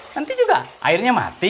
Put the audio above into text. nanti juga airnya mati